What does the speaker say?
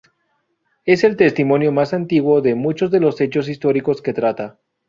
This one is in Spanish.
Es el testimonio más antiguo de muchos de los hechos históricos que trata.